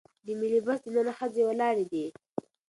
د ملي بس دننه ښځې ولاړې دي.